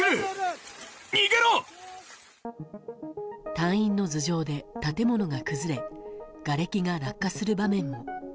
隊員の頭上で建物が崩れがれきが落下する場面も。